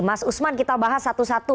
mas usman kita bahas satu satu